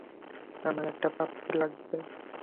আমার একটা পাপ্পি লাগবে।